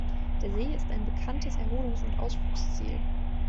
Der See ist ein bekanntes Erholungs- und Ausflugsziel.